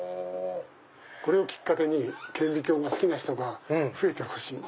これをきっかけに顕微鏡が好きな人が増えてほしい。